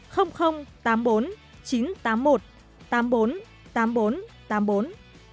tổng đài bảo hộ công dân tám mươi bốn chín trăm tám mươi một tám mươi bốn tám mươi bốn tám mươi bốn tám mươi bốn tám mươi bốn